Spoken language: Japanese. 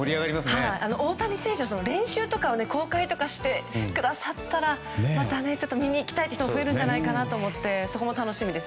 大谷選手は練習とかを公開してくださったらまた見に行きたいという人も増えるんじゃないかと思ってそこも楽しみです。